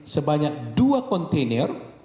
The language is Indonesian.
sebanyak dua kontainer